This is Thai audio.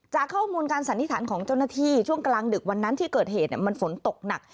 จากข้อมูลการสันนิษฐานของเจ้าหน้าที่ช่วงกลางดึกวันนั้นที่เกิดเหตุมันฝนตกหนัก